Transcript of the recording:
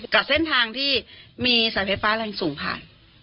กับเส้นทางที่มีสายไฟฟ้าแรงสูงผ่าน